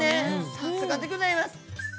さすがでギョざいます！